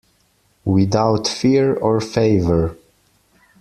Without fear or favour.